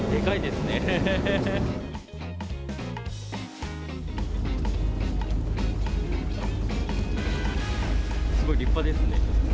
すごい立派ですね。